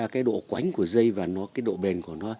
cái độ quánh của dây và cái độ bền của nó